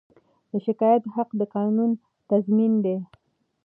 د شکایت حق د قانون تضمین دی.